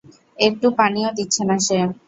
একটু পানিও দিচ্ছে না সে।